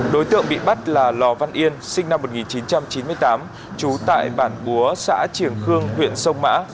đối tượng bị bắt là lò văn yên sinh năm một nghìn chín trăm chín mươi tám trú tại bản búa xã triềng khương huyện sông mã